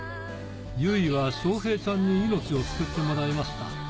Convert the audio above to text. ゆいは翔平ちゃんに命を救ってもらいました。